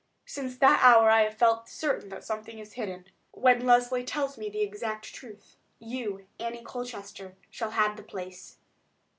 Since that hour I have felt certain that something is hidden. When Leslie tells me the exact truth, you, Annie Colchester shall have the place.